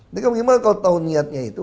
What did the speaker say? jadi kalau tahu niatnya itu